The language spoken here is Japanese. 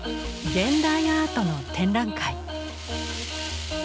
現代アートの展覧会。